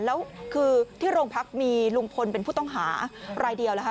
แล้วคือที่โรงพักมีลุงพลเป็นผู้ต้องหารายเดียวนะคะ